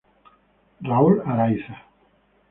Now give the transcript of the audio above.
Raul Araiza.